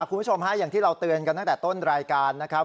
คุณผู้ชมฮะอย่างที่เราเตือนกันตั้งแต่ต้นรายการนะครับ